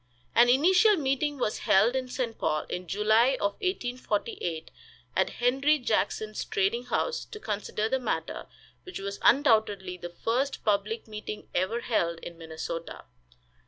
An initial meeting was held in St. Paul, in July of 1848, at Henry Jackson's trading house, to consider the matter, which was undoubtedly the first public meeting ever held in Minnesota.